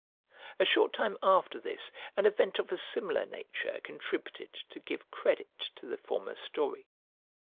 A short time after this, an event of a similar nature contributed to give credit to the former story.